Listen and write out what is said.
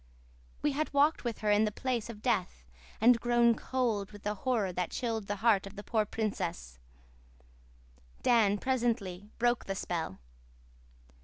We had walked with her in the place of death and grown cold with the horror that chilled the heart of the poor princess. Dan presently broke the spell.